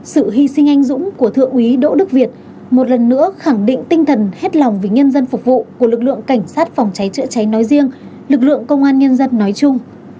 sự hy sinh anh dũng của thượng úy đỗ đức việt một lần nữa khẳng định tinh thần hết lòng vì nhân dân phục vụ của lực lượng cảnh sát phòng cháy chữa cháy nói riêng lực lượng công an nhân dân nói chung